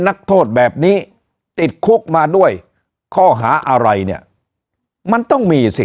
นักโทษแบบนี้ติดคุกมาด้วยข้อหาอะไรเนี่ยมันต้องมีสิ